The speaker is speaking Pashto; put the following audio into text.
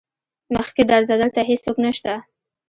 مخکې درځه دلته هيڅوک نشته.